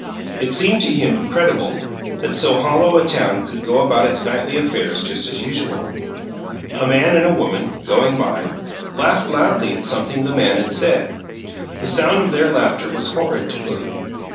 It seemed to him incredible that so hollow a town could go about its nightly affairs just as usual. A man and a woman, going by, laughed loudly at something the man had said: the sound of their laughter was horrid to William.